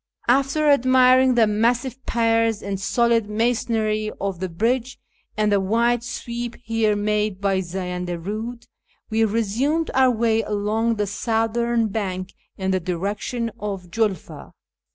After admiring the massive piers and solid masonry of the bridge, and the wide sweep here made by the Zayanda Eiid, we resumed our way along the southern bank in the direction of Julfa.